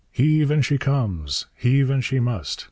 'Heave and she comes!' 'Heave and she must!'